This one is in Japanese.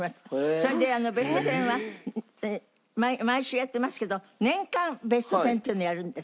それで『ベストテン』は毎週やってますけど年間ベストテンっていうのやるんです。